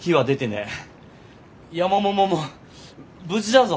山桃も無事だぞ。